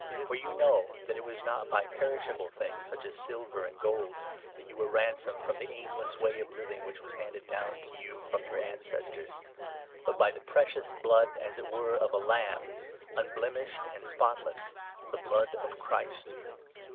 For you know that it was not by perishable things, such as silver and gold, that you were ransomed from the aimless way of living which was handed down to you from your ancestors, but by precious blood, as it were of a lamb, unblemished and spot less, the Blood of Christ.